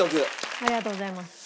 ありがとうございます。